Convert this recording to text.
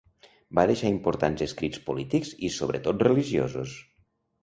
Va deixar importants escrits polítics i sobretot religiosos.